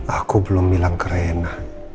aku belum bilang ke rena